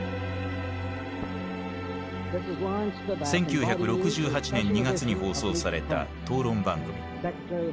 １９６８年２月に放送された討論番組。